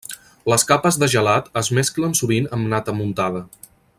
Les capes de gelat es mesclen sovint amb nata muntada.